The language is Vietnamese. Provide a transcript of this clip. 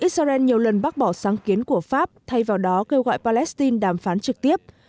israel nhiều lần bác bỏ sáng kiến của pháp thay vào đó kêu gọi palestine đàm phán trực tiếp